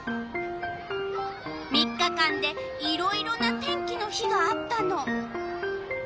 ３日間でいろいろな天気の日があったの。